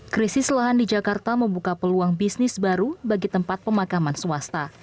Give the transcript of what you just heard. krisis lahan di jakarta membuka peluang bisnis baru bagi tempat pemakaman swasta